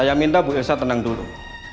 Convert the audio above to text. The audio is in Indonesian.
saya minta bu elsa tenang dulu